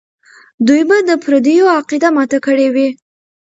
دوی به د پردیو عقیده ماته کړې وي.